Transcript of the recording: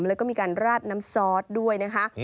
แล้วก็มีการราดน้ำซอสด้วยนะคะ